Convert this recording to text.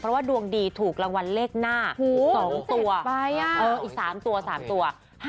เพราะว่าดวงดีถูกรางวัลเลขหน้า๒ตัวอีก๓ตัว๓ตัว